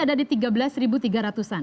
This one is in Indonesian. dan apakah rupiah cukup stabil